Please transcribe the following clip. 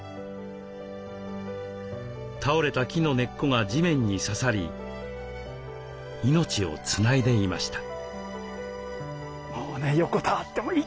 倒れた木の根っこが地面に刺さり命をつないでいました。